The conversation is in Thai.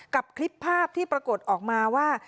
คลิปภาพที่ปรากฏออกมาว่า